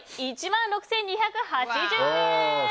１万６２８０円。